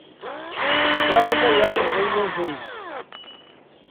Даже боятся за ее жизнь.